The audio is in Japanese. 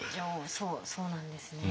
そうそうなんですね。